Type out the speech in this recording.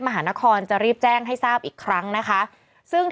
เป็นการกระตุ้นการไหลเวียนของเลือด